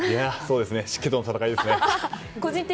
湿気との戦いですね。